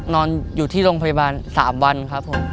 นอนอยู่ที่โรงพยาบาล๓วันครับผม